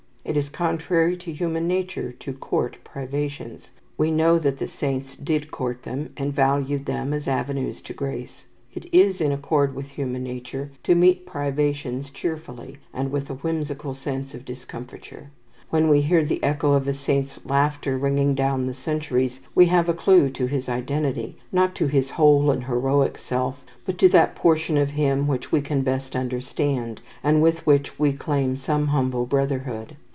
It is contrary to human nature to court privations. We know that the saints did court them, and valued them as avenues to grace. It is in accord with human nature to meet privations cheerfully, and with a whimsical sense of discomfiture. When we hear the echo of a saint's laughter ringing down the centuries, we have a clue to his identity; not to his whole and heroic self, but to that portion of him which we can best understand, and with which we claim some humble brotherhood.